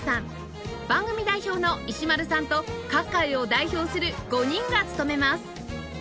番組代表の石丸さんと各界を代表する５人が務めます